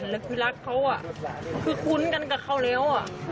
แล้วคือรักเขาคือคุ้นกันกับเขาแล้ว